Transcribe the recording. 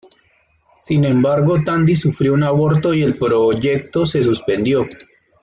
Sin embargo, Tandy sufrió un aborto y el proyecto se suspendió.